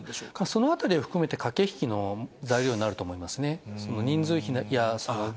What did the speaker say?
そのあたりを含めて駆け引きの材料になると思いますね。